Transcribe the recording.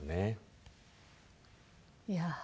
いや。